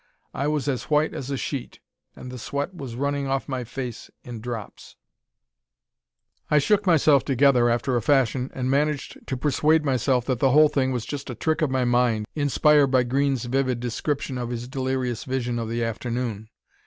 I was as white as a sheet, and the sweat was running off my face in drops. "I shook myself together after a fashion and managed to persuade myself that the whole thing was just a trick of my mind, inspired by Green's vivid description of his delirious vision of the afternoon.